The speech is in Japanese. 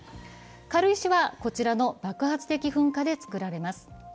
軽石は、こちらの爆発的噴火で作られます。